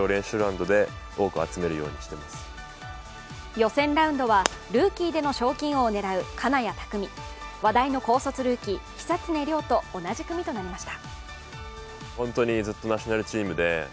予選ラウンドはルーキーでの賞金王を狙う金谷拓実、話題の高卒ルーキー、久常涼と同じ組となりました。